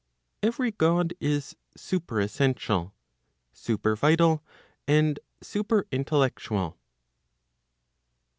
Every God is superessential, supervital, and superintellectual.